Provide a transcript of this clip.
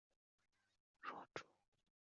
箬竹为禾本科箬竹属下的一个种。